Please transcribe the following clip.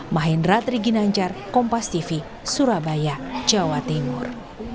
mahendra triginanjar kompas tv surabaya jawa timur